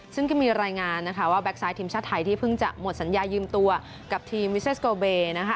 ซึ่งก็มีรายงานนะคะว่าแก๊กไซด์ทีมชาติไทยที่เพิ่งจะหมดสัญญายืมตัวกับทีมวิเซสโกเบนะคะ